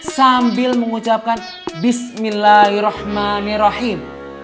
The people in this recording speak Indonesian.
sambil mengucapkan bismillahirrohmanirrohim